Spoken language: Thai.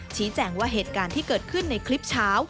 ชี้แจงว่าเหตุการณ์ที่เกิดขึ้นในคลิปเช้า